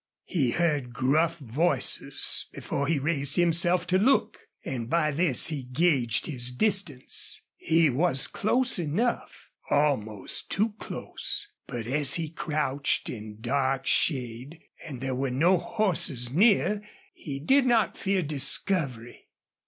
He heard gruff voices before he raised himself to look, and by this he gauged his distance. He was close enough almost too close. But as he crouched in dark shade and there were no horses near, he did not fear discovery.